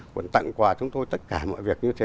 còn tặng quà chúng tôi tất cả mọi việc như thế